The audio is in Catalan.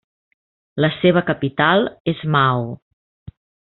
La seva capital és Mao.